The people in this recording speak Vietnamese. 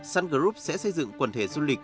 sun group sẽ xây dựng quần thể du lịch